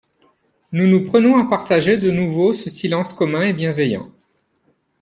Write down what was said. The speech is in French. Nous nous prenons à partager de nouveau ce silence commun et bienveillant.